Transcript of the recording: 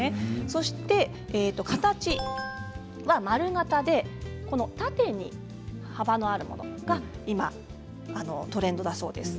そして形は丸型で縦に幅のあるものが今トレンドだそうです。